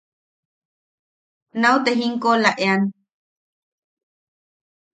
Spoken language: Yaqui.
–Nau te jinkoʼolaʼean.